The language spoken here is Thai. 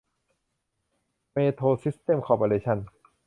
เมโทรซิสเต็มส์คอร์ปอเรชั่น